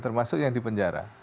termasuk yang di penjara